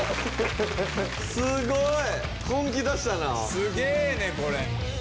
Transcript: すげえねこれ。